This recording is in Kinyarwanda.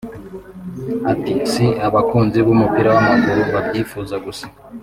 Ati “Si abakunzi b’umupira w’amaguru babyifuzaga gusa